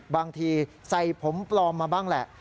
บางทีใส่ผมปลอมมาบ้างแหละ